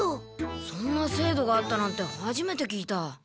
そんな制度があったなんてはじめて聞いた。